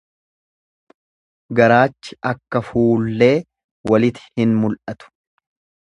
Garaachi akka fuullee waliti hin mul'atu.